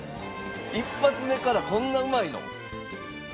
１発目からこんなうまいの？